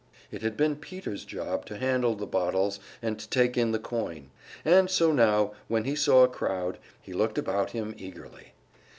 It had been Peter's job to handle the bottles and take in the coin; and so now, when he saw the crowd, he looked about him eagerly.